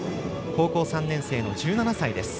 高校３年生の１７歳です。